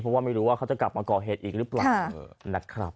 เพราะว่าไม่รู้ว่าเขาจะกลับมาก่อเหตุอีกหรือเปล่านะครับ